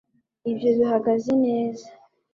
ibyo bihagaze neza